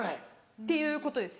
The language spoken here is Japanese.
っていうことです。